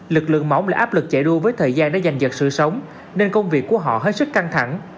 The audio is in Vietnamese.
lực lượng mỏng là áp lực chạy đua với thời gian đã dành dật sự sống nên công việc của họ hết sức căng thẳng